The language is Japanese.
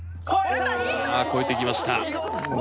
あっ越えてきました。